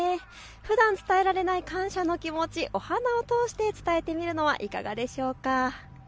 ふだん伝えられない感謝の気持ち、お花を通して伝えてみるのはいかがでしょうか。